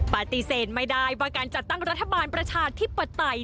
ปฏิเสธไม่ได้ว่าการจัดตั้งรัฐบาลประชาธิปไตย